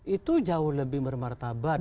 itu jauh lebih bermartabat